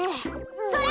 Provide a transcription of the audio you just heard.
それ！